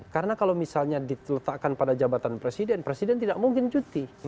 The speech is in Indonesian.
karena kalau misalnya ditetapkan pada jabatan presiden presiden tidak mungkin cuti